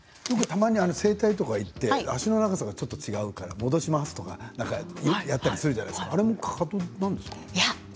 たまに整体とかに行って足の長さが違うから戻しますって言ったりするじゃないですかあれもかかとですか。